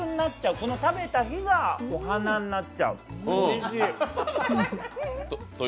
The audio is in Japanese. この食べた日がお花になっちゃう、うれしい。